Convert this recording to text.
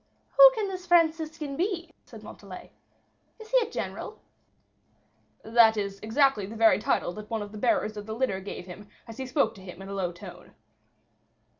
"Who can this Franciscan be?" said Montalais. "Is he a general?" "That is exactly the very title that one of the bearers of the litter gave him as he spoke to him in a low tone."